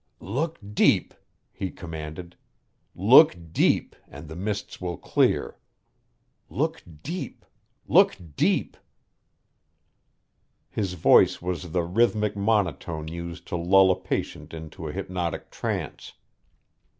"Look deep," he commanded. "Look deep and the mists will clear. Look deep. Look deep." His voice was the rhythmic monotone used to lull a patient into a hypnotic trance.